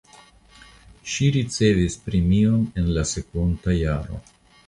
Ŝi ricevis premion en la sekvanta jaro.